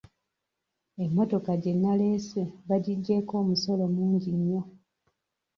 Emmotoka gye naleese bagiggyeko omusolo mungi nnyo.